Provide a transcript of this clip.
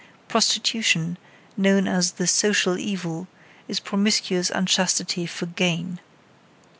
Prostitution, known as the "social evil," is promiscuous unchastity for gain.